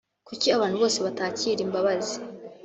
kuki abantu bose batakira imbabazi